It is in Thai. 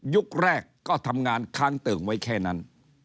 แรกก็ทำงานค้างเติ่งไว้แค่นั้น